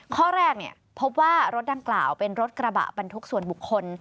ข้อแรกพบว่ารถดังกล่าวเป็นรถกระบะบรรทุกส่วนบุคคล